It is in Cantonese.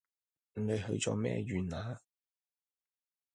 你許咗咩願啊？